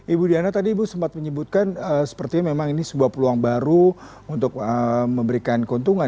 ibu diana tadi ibu sempat menyebutkan sepertinya memang ini sebuah peluang baru untuk memberikan keuntungan